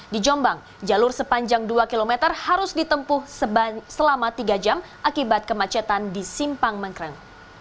di jombang jalur sepanjang dua km harus ditempuh selama tiga jam akibat kemacetan di simpang mengkreng